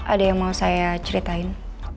ada yang mau saya ceritain